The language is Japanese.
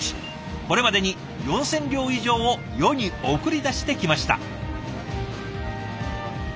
これまでに４，０００両以上を世に送り出してきました。